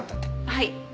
はい。